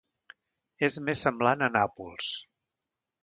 És més semblant a Nàpols.